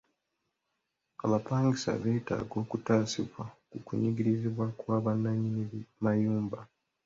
Abapangisa beetaaga okutaasibwa ku kunyigirizibwa kwa bannanyini mayumba.